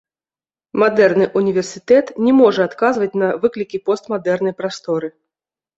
Мадэрны ўніверсітэт не можа адказваць на выклікі постмадэрнай прасторы.